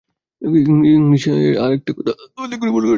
English, আর একটা কথা, আমাদের কোনো ভুল করা চলবে না।